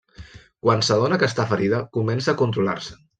Quan s'adona que està ferida, comença a controlar-se.